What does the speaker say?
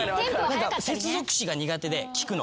接続詞が苦手で聞くの。